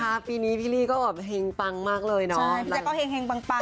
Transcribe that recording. นะฮะปีนี้พีลีก็แห่งปังมากเลยเนาะ